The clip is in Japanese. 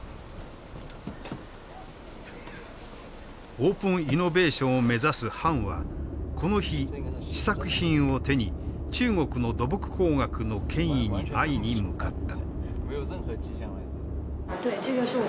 オープンイノベーションを目指す潘はこの日試作品を手に中国の土木工学の権威に会いに向かった。